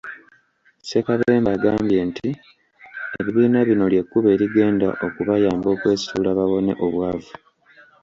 Ssekabembe agambye nti ebibiina bino ly'ekkubo erigenda okubayamba okwesitula bawone obwavu.